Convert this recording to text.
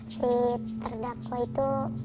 si terdakwa itu